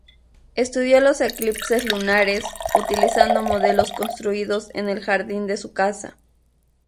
Estudió los eclipses lunares, utilizando modelos construidos en el jardín de su casa.